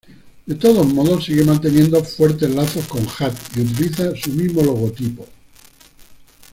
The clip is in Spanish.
De todos modos sigue manteniendo fuertes lazos con Jat y utiliza su mismo logotipo.